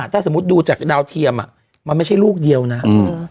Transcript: ถ้าสมมุติดูจากดาวเทียมอ่ะมันไม่ใช่ลูกเดียวนะอืม